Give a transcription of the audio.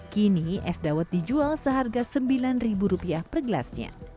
kini es dawet dijual seharga rp sembilan per gelasnya